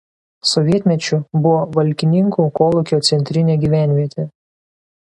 Sovietmečiu buvo Valkininkų kolūkio centrinė gyvenvietė.